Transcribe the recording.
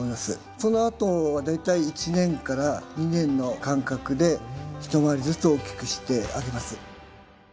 そのあとは大体１年から２年の間隔で一回りずつ大きくしてあげます。